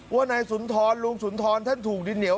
ว่านายสุนทรลุงสุนทรท่านถูกดินเหนียว